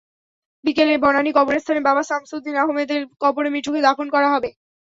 বিকেলে বনানী কবরস্থানে বাবা শামসুদ্দিন আহমেদের কবরে মিঠুকে দাফন করা হবে।